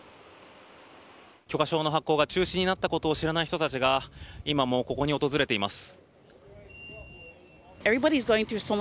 許可証の発行が中止になったことを知らない人たちが、今もここに訪れています。